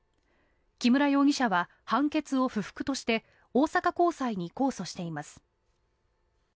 木村容疑者は判決を不服として大阪高裁に控訴しています。